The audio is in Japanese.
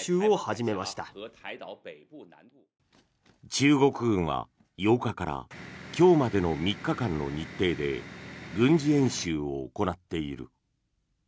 中国軍は８日から今日までの３日間の日程で軍事演習を行っている。